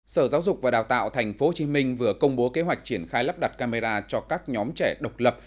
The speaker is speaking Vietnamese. sở giáo dục và đào tạo tp hcm vừa công bố kế hoạch triển khai lắp đặt camera cho các nhóm trẻ độc lập